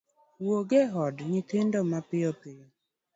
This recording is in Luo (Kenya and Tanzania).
wuog e od nyithinda mapiyo piyo.